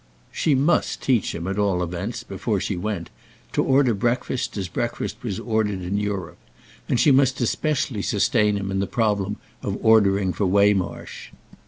She must teach him at all events, before she went, to order breakfast as breakfast was ordered in Europe, and she must especially sustain him in the problem of ordering for Waymarsh.